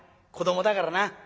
子どもだからな。